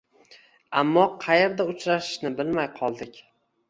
Ammo qayerda uchrashishni bilmay qoldik.